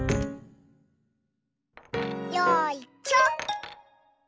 よいしょ。